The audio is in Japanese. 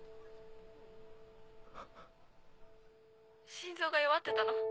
心臓が弱ってたの。